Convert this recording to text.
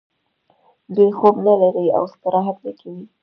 دوی خوب نلري او استراحت نه کوي